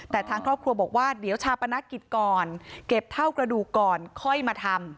แต่ทางครอบครัวบอกว่าเดี๋ยวชาปนกิจก่อนเก็บเท่ากระดูกก่อนค่อยมาทำ